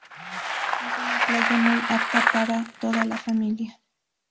Es una playa muy apta para toda la familia.